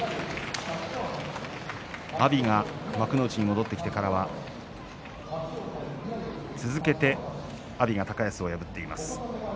阿炎は幕内に戻ってきてからは続けて阿炎が高安を破っています。